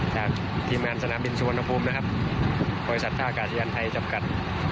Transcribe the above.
จากทีมเงาร์สนามบิญชิวนภูมินะครับบริษัทถ้ากาศยานไทยจับกัด